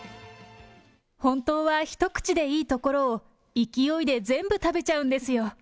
本当は一口でいいところを、勢いで全部食べちゃうんですよ。